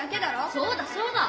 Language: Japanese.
そうだそうだ！